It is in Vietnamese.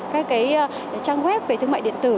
các cái trang web về thương mại điện tử